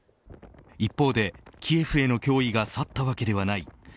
一方で、キエフへの脅威が去ったわけではない。